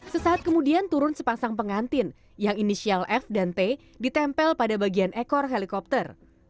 sesaat kemudian turun sepasang pengantin yang inisial f dan t ditempel pada bagian ekor helikopter